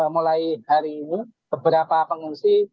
mulai hari ini beberapa pengungsi